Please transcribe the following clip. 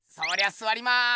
すわりまーす。